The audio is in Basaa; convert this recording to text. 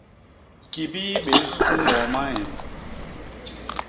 Kibii bés i moo ma ñemb.